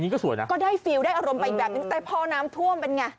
อย่างนี้ก็สวยนะแต่พอน้ำท่วมเป็นอย่างไร